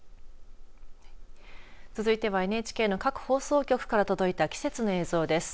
続いてはＮＨＫの各放送局から届いた季節の映像です。